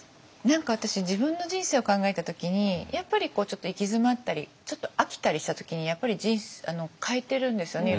何か私自分の人生を考えた時にやっぱりちょっと行き詰まったりちょっと飽きたりした時にやっぱり変えてるんですよね